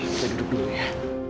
kita duduk dulu ya